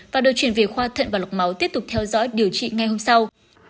và được chuyển về khoa thận và lọc máu tiếp tục theo dõi điều trị ngay hôm sau